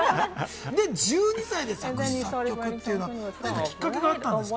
１２歳で作詞・作曲というのはきっかけがあったんですか？